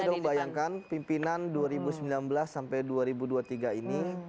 ayo dong bayangkan pimpinan dua ribu sembilan belas sampai dua ribu dua puluh tiga ini